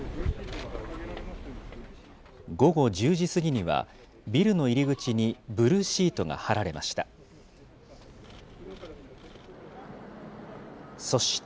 午後１０時過ぎには、ビルの入り口にブルーシートが張られました。